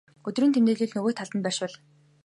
өдрийн тэмдэглэлээ нөгөө талд нь байрлуул.